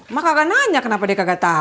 maka akan nanya kenapa dia kagak tahu